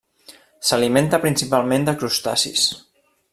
S'alimenta principalment de crustacis.